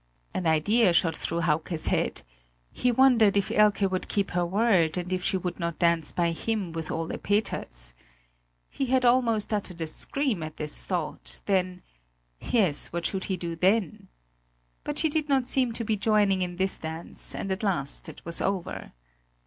An idea shot through Hauke's head he wondered if Elke would keep her word and if she would not dance by him with Ole Peters. He had almost uttered a scream at this thought; then yes, what should he do then? But she did not seem to be joining in this dance, and at last it was over.